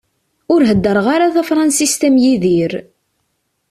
Ur heddreɣ ara Tafransist am Yidir.